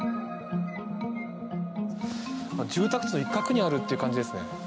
住宅地の一角にあるという感じですね。